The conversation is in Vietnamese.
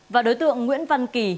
và đối tượng nguyễn văn kỳ